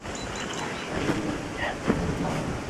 তাই, অতীতের পুনরাবৃত্তি আবারও হতে যাচ্ছে!